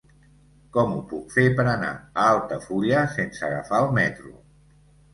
Com ho puc fer per anar a Altafulla sense agafar el metro?